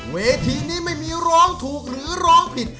เวทีนี้ไม่มีร้องถูกหรือร้องผิด